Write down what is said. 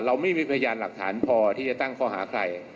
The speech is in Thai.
เราไม่มีพยานหลักฐานพอที่จะตั้งข้อหาใคร